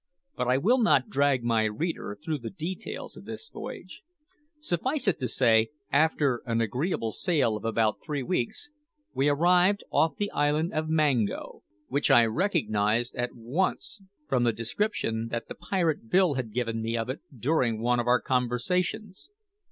But I will not drag my reader through the details of this voyage. Suffice it to say that, after an agreeable sail of about three weeks, we arrived off the island of Mango, which I recognised at once from the description that the pirate Bill had given me of it during one of our conversations.